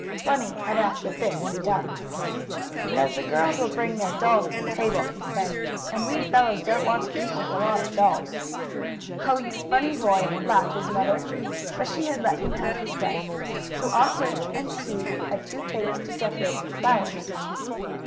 Bunny had asked that this be done. "'Cause the girls will bring their dolls to the table," he said, "and we fellows don't want to eat with a lot of dolls." "Oh, you funny boy!" laughed his mother, but she had let him have his way. So Aunt Lu and Sue had two tables to decorate with flowers.